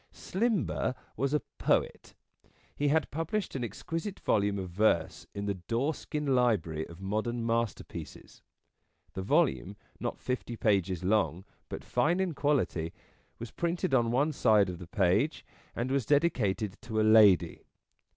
Slimber was a poet. He had pub lished an exquisite volume of verse in the Doreskin Library of modern Masterpieces. The volume, not fifty pages long, but fine in quality, was printed on one side of the page, and was dedicated to a Lady.